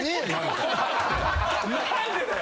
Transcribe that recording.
何でだよ！